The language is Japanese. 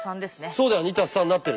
そうだよ「２＋３」になってるね。